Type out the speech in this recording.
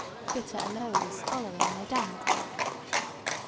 Bitter aloes following, no doubt.